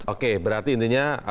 oke berarti intinya